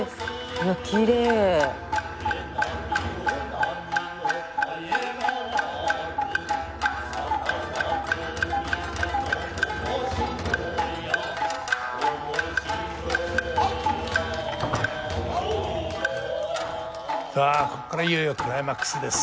うわここからいよいよクライマックスです。